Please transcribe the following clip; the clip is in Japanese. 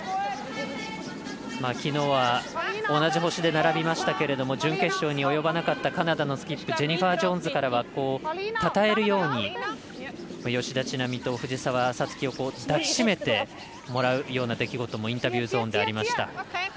きのうは同じ星で並びましたけれども準決勝に及ばなかったカナダのスキップジェニファー・ジョーンズからはたたえるように吉田知那美と藤澤五月を抱きしめてもらうような出来事もインタビューゾーンでありました。